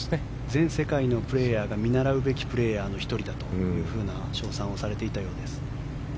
全世界のプレーヤーが見習うべきプレーヤーの１人だと称賛をされていたようです。